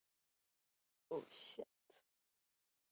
这较之耍阴谋诡计更有利于问题的解决。